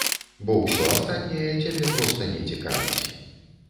Бо ўсё астатняе цябе проста не цікавіць.